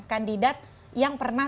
kandidat yang pernah